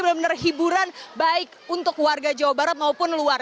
benar benar hiburan baik untuk warga jawa barat maupun luar